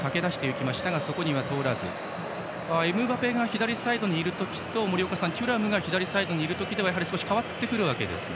エムバペが左サイドにいる時とテュラムが左サイドにいるときでは少し変わるわけですね。